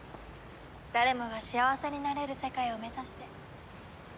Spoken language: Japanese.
誰もが幸せになれる世界を目指してですね。